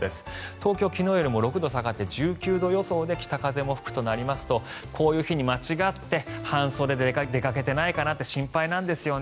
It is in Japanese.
東京、昨日よりも６度下がって１９度予想で北風も吹くとなりますとこういう日に、間違って半袖で出かけていないかなって心配なんですよね。